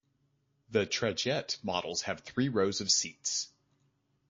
The Trajet models have three rows of seats.